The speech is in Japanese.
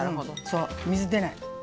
そう水出ない。